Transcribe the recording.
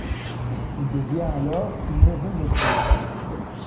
Il devient alors une maison de soins.